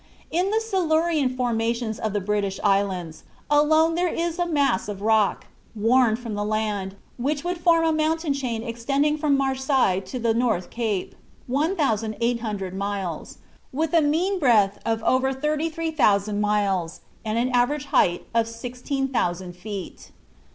In the Silurian formations of the British Islands alone there is a mass of rock, worn from the land, which would form a mountain chain extending from Marseilles to the North Cape (1800 miles), with a mean breadth of over thirty three miles, and an average height of 16,000 feet.